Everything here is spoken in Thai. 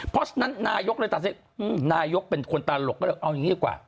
เพราะฉะนั้นนายกเลยตัดสินใจนายกเป็นคนตลกก็เลยเอาอย่างนี้ดีกว่า